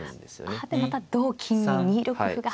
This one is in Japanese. あでまた同金に２六歩が。